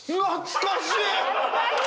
懐かしい！